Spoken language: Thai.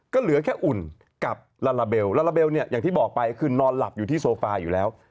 ก็เหลือแค่อุ่นกับลาลาเบลลาลาเบลเนี่ยอย่างที่บอกไปคือนอนหลับอยู่ที่โซฟาอยู่แล้ว